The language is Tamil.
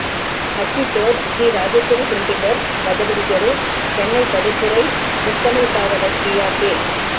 அச்சிட்டோர் ஸ்ரீ ராஜேஸ்வரி பிரிண்டிங் ஒர்க்ஸ், கஜபதி தெரு, சென்னை பதிப்புரை முத்தமிழ்க் காவலர் கி.ஆ.பெ.